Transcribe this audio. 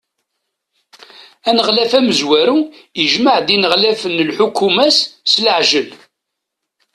Aneɣlaf amezwaru ijmeɛ-d ineɣlafen n lḥukuma-s s leɛjel.